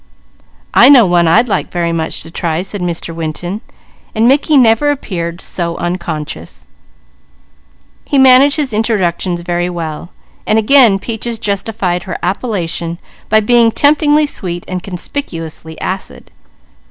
"I know one I'd like very much to try," said Mr. Winton, but Mickey never appeared so unconscious. He managed his introductions very well, while again Peaches justified her appellation by being temptingly sweet and conspicuously acid.